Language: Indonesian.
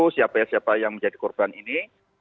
siapa siapa yang menjadi korban ini